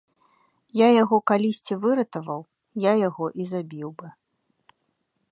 Я яго калісьці выратаваў, я яго і забіў бы.